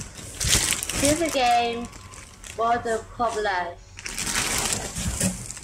‘Here’s a game!’ roared the populace.